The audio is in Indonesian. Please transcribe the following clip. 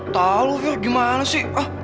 tahu ya gimana sih